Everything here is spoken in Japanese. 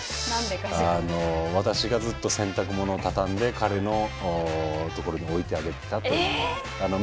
私がずっと洗濯物をたたんで彼のところに置いてあげてた。